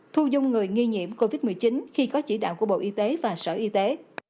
thu dung người nghi nhiễm covid một mươi chín khi có chỉ đạo của bộ y tế và sở y tế